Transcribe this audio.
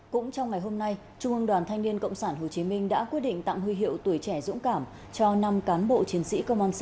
cũng trong ngày hôm nay trung ương đoàn thanh niên cộng sản hồ chí minh đã quyết định tặng huy hiệu tuổi trẻ dũng cảm cho năm cán bộ chiến sĩ công an xã